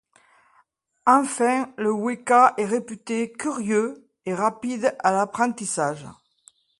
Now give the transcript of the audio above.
Enfin, le Weka est réputé curieux et rapide à l'apprentissage.